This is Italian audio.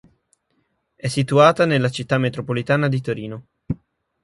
È situata nella Città Metropolitana di Torino.